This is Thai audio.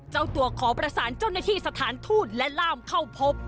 เจ้าตัวขอประสานเจ้าหน้าที่สถานทูตและล่ามเข้าพบ